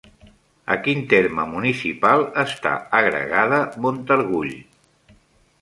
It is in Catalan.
A quin terme municipal està agregada Montargull?